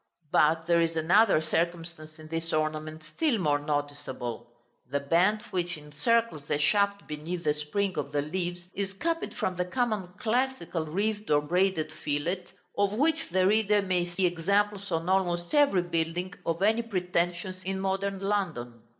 But there is another circumstance in this ornament still more noticeable. The band which encircles the shaft beneath the spring of the leaves is copied from the common classical wreathed or braided fillet, of which the reader may see examples on almost every building of any pretensions in modern London.